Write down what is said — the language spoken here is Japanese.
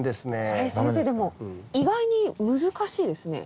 これ先生でも意外に難しいですね。